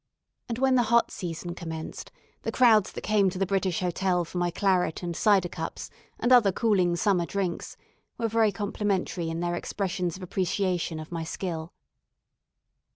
And when the hot season commenced, the crowds that came to the British Hotel for my claret and cider cups, and other cooling summer drinks, were very complimentary in their expressions of appreciation of my skill.